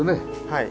はい。